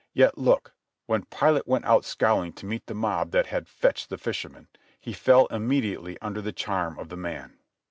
Yet, look: when Pilate went out scowling to meet the mob that had fetched the fisherman, he fell immediately under the charm of the man.